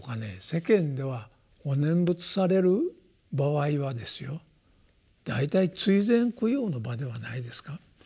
世間ではお念仏される場合はですよ大体追善供養の場ではないですか。